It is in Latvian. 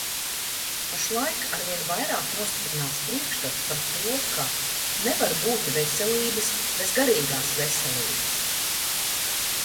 Pašlaik arvien vairāk nostiprinās priekšstats par to, ka nevar būt veselības bez garīgās veselības.